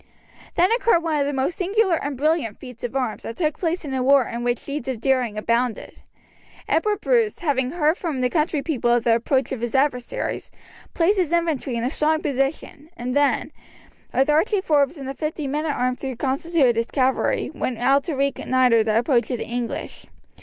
Then occurred one of the most singular and brilliant feats of arms that took place in a war in which deeds of daring abounded. Edward Bruce having heard from the country people of the approach of his adversaries, placed his infantry in a strong position, and then, with Archie Forbes and the fifty men at arms who constituted his cavalry, went out to reconnoitre the approach of the English.